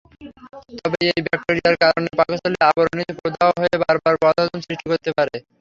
তবে এই ব্যাকটেরিয়ার কারণে পাকস্থলীর আবরণীতে প্রদাহ হয়ে বারবার বদহজম সৃষ্টি করতে পারে।